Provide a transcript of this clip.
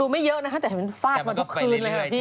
ไม่เยอะนะครับแต่เห็นฟาดมาทุกคืนมันก็ไปเรื่อยใช่